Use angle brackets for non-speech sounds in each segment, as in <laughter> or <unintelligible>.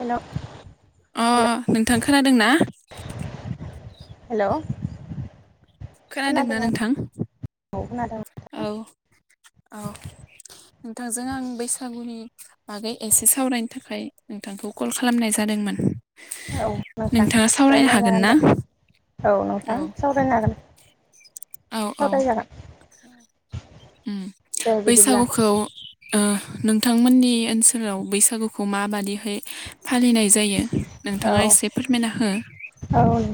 Hello. अ नोंथां खोनादोंना? हेलौ खोनादोंना नोंथां? औ खोनादों औ औ नोंथांजों आं बैसागुनि बागै एसे सावरायनो थाखाय नोंथांखौ कल खालामनाय जादोंमोन। औ नोंथां नोंथाङा सावरायनो रायलाय हागोन जागोन ना दे औ नोंथां सावरायनो हागोन। औ सावराय जागोन। ओम बैसागुखौ ओ ओ नोंथांमोननि ओनसोलाव बैसागुखौ माबादिहै फालिनाय जायो औ नोंथाङा इसे फोरमायना हो।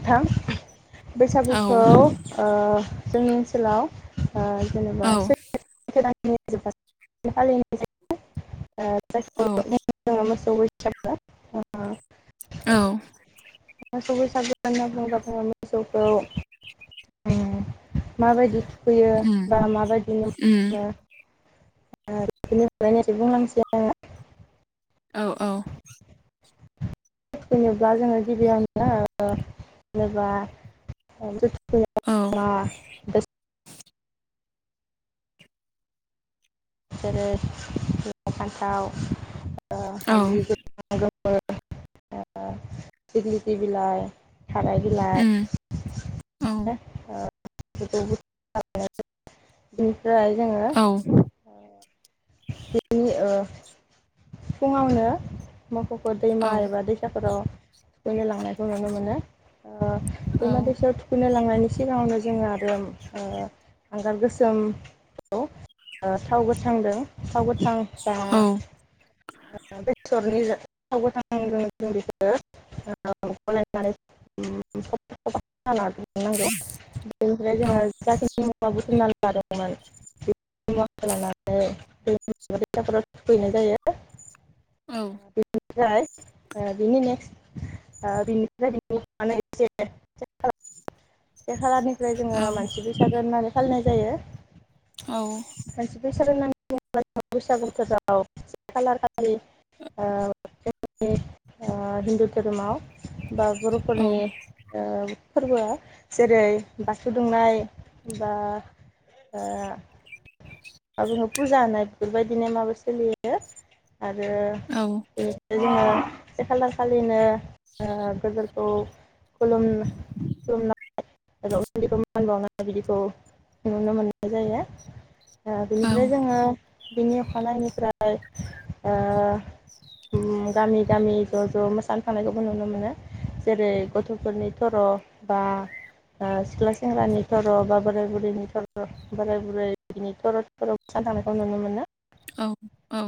थां औ बैसागुखौ ओ जोंनि ओनसोलाव ओ जेनेबा औ <unintelligible> औ <unintelligible> औ <unintelligible> <unintelligible> अ मोसौ बैसागु होनना बुंङोबा जोङो मोसौखौ ओम माबायदि फैयो उम बा माबायदिनो उम खालामो बिनो हलायनाय बुंलांसै आङो औ औ थुखैनोब्ला जोङो गिबियावनो ओ जेनेबा औ <unintelligible> <unintelligible> जेरै लाउ फानथाव ओ औ हालदि <unintelligible> <unintelligible> दिगलिथि बिलाइ थाराय बिलाइ उम औ ओ <unintelligible> फ्राय जोङो औ बिनि ओ फुङावनो मोखौखो औ दैमा एबा दैसाफोराव थुखैनो लांनायखौ नुनो मोनो ओ औ दैमा-दैसायाव थुखैनो लांनायनि सिगाङावनो ज जोङो आरो ओ हांगार गोसोमखौ ओ थाव गोथांदों थाव गोथां दा औ बेसरनि थाव गोथां जों <unintelligible> नांगौ बेनिफ्राय औ जोङो जाखिनि मुवा बुथुमना लादोंमोन बेफोर मुवाफोरखौ लानानै दैमा एबा दैसाफोराव थुखैनाय जायो। <inaudible> औ। बिनिफ्राय बिनि नेक्स्ट ओ बिनिफ्राय <unintelligible> ओमफ्राय जोङो मानसि बैसागो होननानै फालिनाय। जायो। मानसि बैसागो <unintelligible> बैसागु बोथोराव खालार खालि ओ हिन्दु धोरोमाव बा गुरुफोरनि ओ। फोरबोआ जेरै बाथौ दुमनाय बा ओ मा बुङो फुजा होनाय बेफोरबायदिनो माबा सोलियो। यो आरो जोङो। से खालार खालिनो ओ गोदोरखौ खुलुम खुलुमना <unintelligible> मान बावनाय बिदिखौ नुनो मोननाय जायो बिनिफ्राय जोङो। बिनि अखानायैनिफ्राय ओ गामि गामि ज' ज' मोसानो थांनायखौबो नुनो मोनो जेरै गथ'फोरनि सर' बा सिख्ला सेंग्रानि थर' बा बोराय बुरैनि थर' बोराय बुरैनि थर' थ सान थांनायखौ नुनो मोनो औ औ।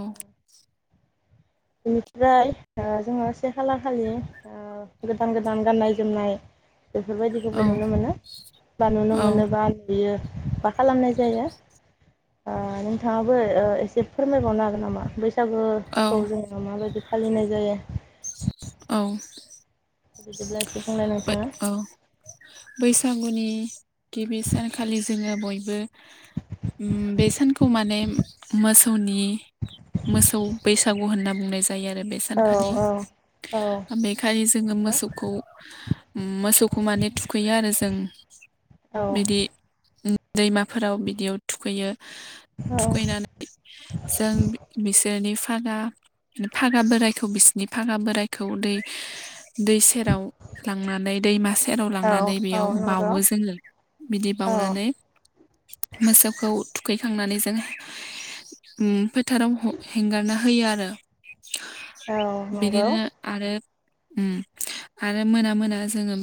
बेनिफ्राय जोङो से खालार खालि गोदान गोदान गाननाय- जोमनाय बेफोरबायदिखौबो नुनो मोनो बा नुनो औ मोनो बा नुयो मा खालामनाय जायो नोंथाङाबो ओ एसे फोरमायबावनो हागोन नामा बे बैसागोखौ औ जोङो माबायदि फालिनाय जायो। औ। बिदिब्ला बुंलाय नोंथाङा औ बैसागुनि गिबि सानखालि जोङो बयबो बे सानखौ माने मोसौनि मोसौ बैसागु होनना बुंनाय जायो जायो आरो बे औ सानखालि औ बेखालि जोङो नंगौ मोसौखौ मोसौखौ माने थुखैयो आरो जों औ बिदि दैमाफोराव बिदियाव थुखैयो औ थुखैनानै जों बिसोर नि फागा फागा बोरायखौ बिसिनि फागा बोरायखौ दै दै सेराव लांनानै दैमा सेराव लांनानै औ बेयाव नंगौ बावो जोङो बिदि औ बाउनानै मोसौखौ थुखैखांनानै जों उम फोथाराव ह हेंगारना होयो आरो औ नंगौ बिदिनो आरो उम आरो मोना मोना जोङो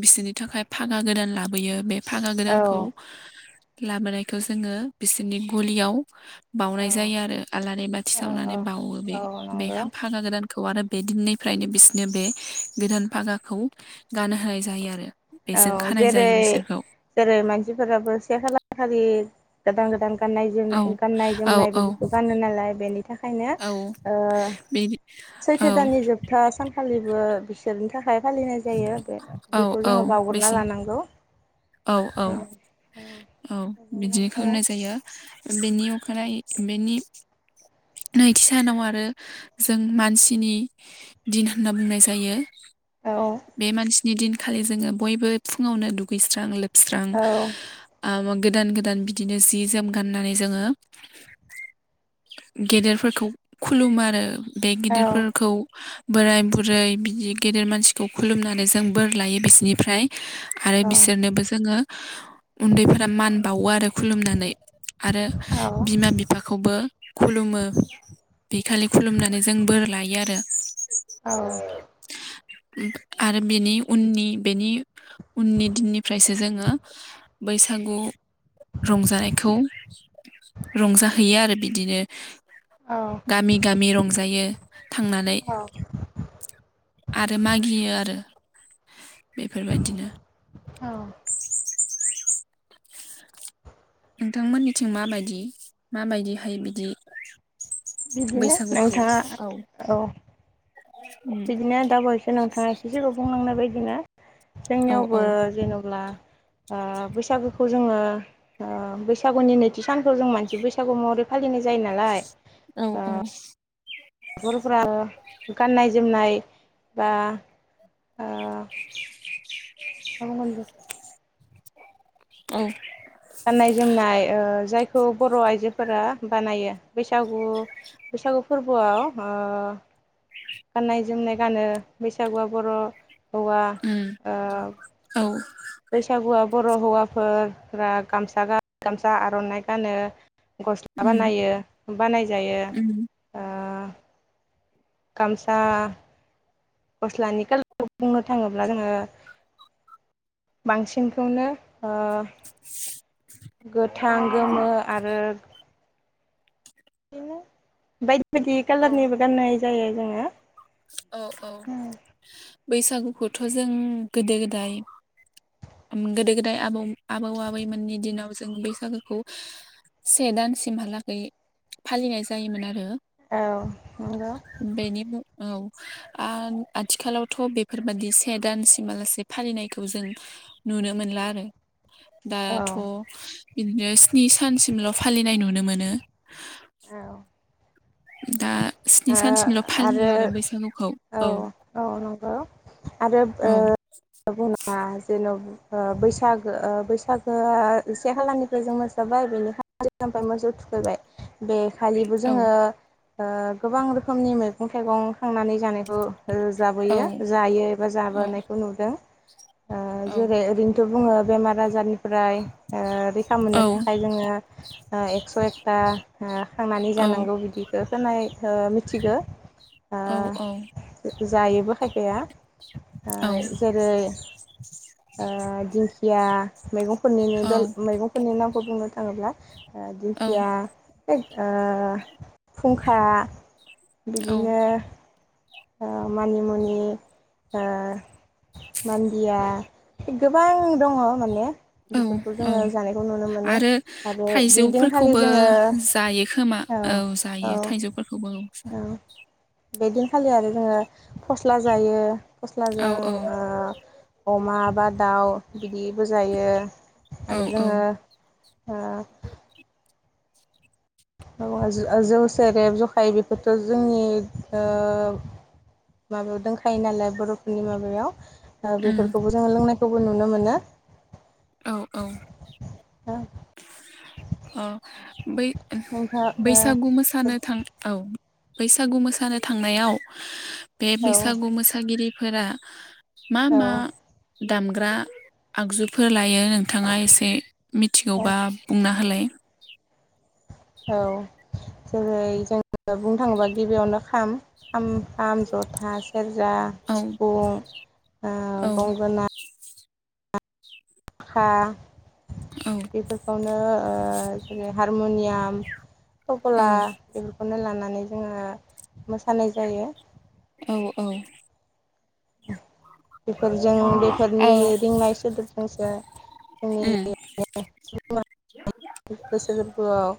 बिसोरनि थाखाय फागा गोदान लाबोयो बे फागा औ गोदानखौ लाबोनायखौ जोङो बिसोरनि गलियाव औ बावनाय जायो आरो आलारि बाथि औ सावनानै बावो बे औ बे नंगौ फागा गोदान खौ आरो बे दिननिफ्रायनो बिसिनो बे गोदान फागाखौ गानहोनाय जायो आरो बेजों औ खानाय जेरै जायो बिसोरखौ जेरै मानसिफोराबो से खालार खालि गोदान गोदान गाननाय जोम औ गाननाय औ जोमनाय औ बेफोरखौ गानो नालाय बेनि खायनो औ ओ बिदि औ सैथो दाननि जोबथा सान खालिबो बिसोरनि था खाय फालिनाय जायो बे बेखौ जोङो गुरना लानांगौ औ औ औ-औ-औ बिदिनो खालामनाय जायो बेनि अखानायै बेनि नैथि सानाव आरो जों मानसिनि दिन होनना बुंनाय जायो बे मानसि नि दिनखालि जोङो बयबो फुङावनो दुगै स्रां लो बस्रां औ आ मा गोदान गोदान बिदिनो जि जोम गाननानै जोङो गेदेरफोरखौ खुलुमो आरो बे गिदिरफोरखौ बोराय बुरै बिदि गेदेर मानसिखौ खुलुमनानै जों बोर लायो बिसोरनिफ्राय औ बो जोङो उन्दैफोरा मान बावो आरो खुलुमनानै आरो बिमा बिफाखौबो खुलुमो बे खालि खुलुमनानै जों बोर लायो आरो औ आरो बेनि उननि बेनि उननि दिननि फ्रायसो जोङो बैसागु रंजानायखौ रंजाहैयो आरो बिदिनो औ गामि गामि रंजायो थांनानै औ आरो मागियो आरो बेफोरबायदिनो औ नोंथांमोननिथिं माबायदि माबायदिहाय बिदि बिदिनो नोंथाङा औ उम बिदिनो दा बावैसो नोंथाङा एसे सिगाङाव बुंलांनाय बायदि बिदिनो औ जोंनियावबो औ जेनब्ला ओ बैसागुखौ जोङो ओ बैसागुनि नैथि सानखौ जों मानसि बैसागु महरै फालिनाय जायो नालाय औ औ नखरफोरा गाननाय जोमनाय बा <inaudible> दा मा खामदों औ गाननाय जोमनाय ओ जाय खौ बर' आइजोफोरा बानायो बैसागु बैसागु फोरबोआव ओ गाननाय जोमनाय गानो बैसागुआ बर' हौवा उम ओ औ बैसागुआ बर' हौवाफोरा गामसा गा गामसा आर'नाइ गानो गस्ला उम बानायो बानायजायो उम ओ गामसा गस्लानि खालारखौ बुंनो थाङोब्ला जोङो बांसिनखौनो ओ <inaudible> गोथां गोमो आरो बायदि बायदि औ कालारनिबो गाननाय जायो जोङो औ औ बैसागुखौथ' जों गोदो गोदाय उम गोदो गोदाय आबौ आबौ आबैमोननि दिनाव जों बैसागुखौ से दानसिमहालागै फालिनाय जायोमोन आरो औ नंगौ बेनि औ आथिखालावथ' बेफोरबादि से दानसिमालासे फालिनायखौ जों नुनो मोनला आरो औ दाथ' बिदि स्नि सानसिमल' फालिनाय नुनो मोनो ओ दा स्नि सानसिमल' फालियो आरो बैसागुखौ औ औ नंगौ आरो ओ औ बुङा जेन' बैसागो बैसागोआ से खालानिफ्राय जों मोसाबाय बेनि खा ओमफ्राय मोसौ थुखैबाय। बे खालिबो औ जोङो ओ गोबां रोखोमनि मैगं थाइगं खांनानै जानायखौ औ जाबोयो जायो एबा औ जाबोनायखौ नुदों। ओ औ जेरै ओरैनोथ' बुङो बेमार आजारनिफ्राय ओ रैखा औ मोननो थाखाय ओ जोङो ओ एकस' एकता खांनानै औ जानांगौ बिदिखो <unintelligible> नाय हो मिथिगो औ औ। जायोबो खायफाया ओ जेरै ओ दिंखि <unintelligible> मैगंफोरनि मैगंफोरनि नाम गुबुनो थाङोब्ला औ दिंखिया बे फुंखा औ बिदिनो मानि मुनि मान्दिया गोबां दङ माने। औ बेफोरखौ औ जोङो जानायखौ नुनो मोनो आरो आरो बिदिनखालि थाइजौफोरखौबो जोङो जायो खोमा औ जायो औ थाइजौफोरखौबो औ बेदिन खाालि आरो जोङो फस्ला जायो। औ फस्लाजों अमा बा दाउ बिदिबो जायो औ आरो औ जोङो हम। म जौ सेरेब जखाय बेफोरथ' जोंनि माबायाव दंखायो नालाय बर'फोरनि माबायाव उम बेफोरखौबो जोङो लोंनाय खौबो नुनो मोनो। औ औ हा अ बै नोंथाङा बैसागु मोसानो थां औ। बैसागु मोसानो थांनायाव बे ओ बैसागु मोसागिरि फोरा मा औ मा दामग्रा आगजुफोर लाय यो नोंथाङा एसे औ मिथिगौबा बुंना होलाय जोहै जों बुंनो थाङोबा गिबियावनो खाम आम खाम, जथा, सेरजा, औ सिफुं ओ औ गंगोना हा औ बेफोरखौनो ओ जेरै हारमुनियाम तबला बेफोरखौनो लानानै जोङो मोसानाय जायो। औ औ <unintelligible> फोरजों औ बेफोरनि रिंनाय सोदोबजोंसो जोंनि उम <unintelligible> गोसो गोरबोआव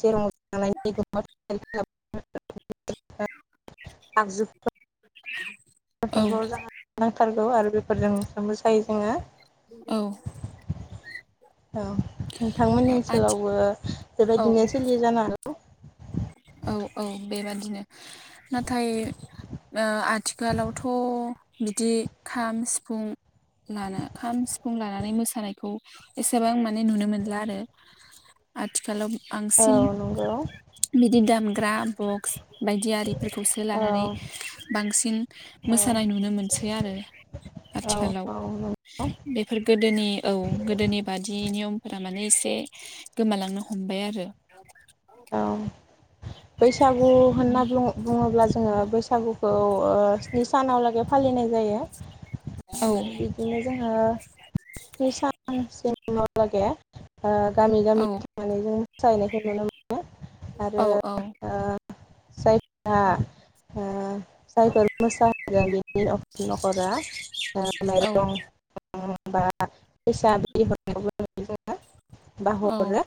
सेराव <unintelligible> आगजुफोर औ बेफोरखौ जाहा <unintelligible> नांथार गौ आरो बेफोरजों दोबो सायो जोङो औ औ नोंथांमोननि आथि ओनसोलावबो औ बेबायदिनो सोलियो जानो <unintelligible> औ औ बेबादिनो नाथाय ओ आथिखालावथ' बिदि खाम सिफुं लाना खाम सिफुं लानानै मोसानायखौ एसेबां माने नुनो मोनला आरो आथिखालाव औ नंगौ इ दामग्रा बक्स बायदि आरिफोरखौसो औ लानानै बांसिन औ मोसानाय नुनो मोनसै आरो औ आथिखालाव औ नंगौ बेफोर गोदोनि औ गोदोनि बादि नियम फोरा माने एसे गोमालांनो हमबाय आरो औ बैसागु होनना बुं बुङोब्ला जोङो बैसागुखौ ओ स्नि सानावलागै फालिनाय जायो औ बिदिनो जोङो स्नि सान सिमाव लगे ओ गामि गामि औ थांनानै जों मोसाहैनायखौ नुनो मोन नो आरो औ ओ जायफोरा ओ जायफोर मोसाहैदों बेनि न'खरा ओ औ माइरं बा फैसा बि <unintelligible> बा औ हरो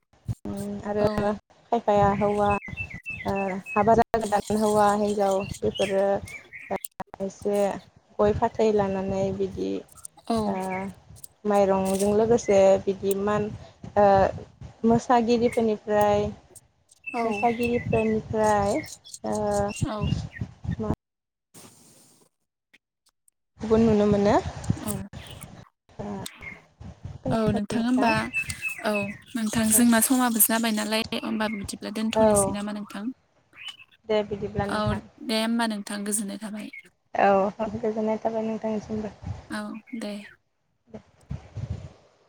उम आरो औ खायफाया हौवा ओ हाबा जागोदान हौवा हिन्जाव बेफोरो एसे गय फाथै लानानै बिदि औ ओ माइरंजों लोगोसे बिदि मान ओ मोस सागिरिफोरनिफ्राय औ मोसागिरिफोरनिफ्राय ओ औ खौबो नुनो मोनो औ औ नोंथां होमबा औ नोंथां जोंना समाबो जाबाय नालाय लाय ओमबा बिदि ब्ला औ दोन्थ'नोसै नामा नोंथां दे बिदिब्ला नोंथां थां गोजोन्नाय थाबाय औ गोजोननाय थाबाय नोंथांनिसिमबो औ दे <inaudible>